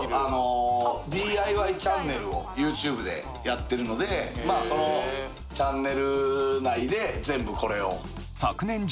ＤＩＹチャンネルをＹｏｕＴｕｂｅでやってるのでそのチャンネル内で全部これを。